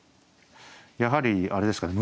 やはりあれですかね